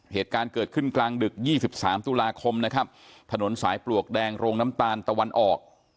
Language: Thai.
เหตุการณ์เกิดขึ้นกลางดึก๒๓ตุลาคมนะครับถนนสายปลวกแดงโรงน้ำตาลตะวันออก